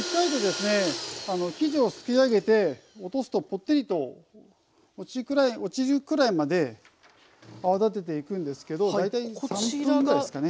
生地をすくい上げて落とすとポッテリと落ちるくらいまで泡立てていくんですけど大体３分ぐらいですかね。